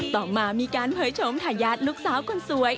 ต่อมามีการเผยชมทายาทลูกสาวคนสวย